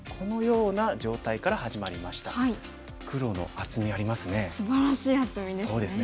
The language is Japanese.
黒の厚みありますね。